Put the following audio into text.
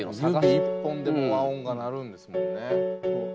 指一本でも和音が鳴るんですもんね。